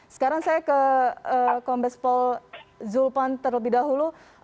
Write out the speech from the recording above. sekarang saya ke kompes pol zulfan terlebih dahulu